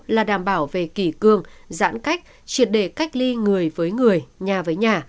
là đảm bảo về kỷ cương giãn cách triệt để cách ly người với người nhà với nhà